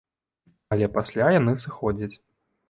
Але пасля яны сыходзяць.